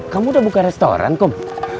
kamu udah buka restoran kok